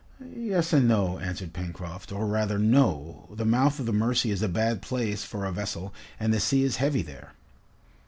"Yes and no," answered Pencroft, "or rather no. The mouth of the Mercy is a bad place for a vessel, and the sea is heavy there."